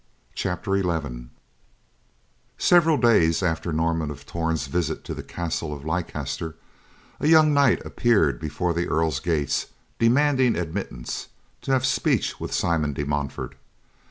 CHAPTER XI Several days after Norman of Torn's visit to the castle of Leicester, a young knight appeared before the Earl's gates demanding admittance to have speech with Simon de Montfort.